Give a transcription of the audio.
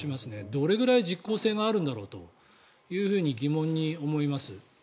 どれぐらい実効性があるんだろうと疑問に思います。